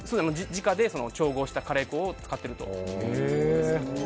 自家で調合したカレー粉を使っているということです。